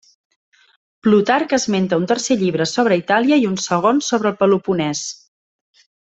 Plutarc esmenta un tercer llibre sobre Itàlia i un segon sobre el Peloponès.